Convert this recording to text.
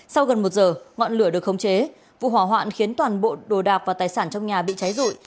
sau gần một giờ ngọn lửa được khống chế vụ hỏa hoạn khiến toàn bộ đồ đạc và tài sản trong nhà bị cháy rụi